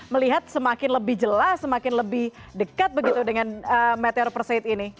melihat semakin lebih jelas semakin lebih dekat begitu dengan meteor perseit ini